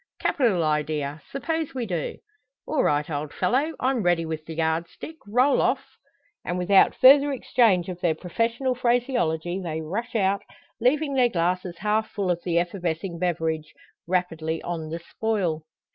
"Capital idea! Suppose we do?" "All right, old fellow! I'm ready with the yard stick roll off!" And without further exchange of their professional phraseology, they rush out, leaving their glasses half full of the effervescing beverage rapidly on the spoil.